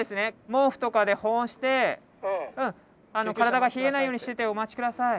毛布とかで保温して体が冷えないようにしててお待ち下さい。